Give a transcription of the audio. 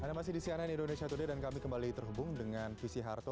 anda masih di cnn indonesia today dan kami kembali terhubung dengan visi harto